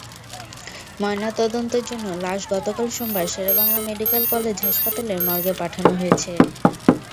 ময়নাতদন্তের জন্য লাশ গতকাল সোমবার শের-ই-বাংলা মেডিকেল কলেজ হাসপাতালের মর্গে পাঠানো হয়েছে।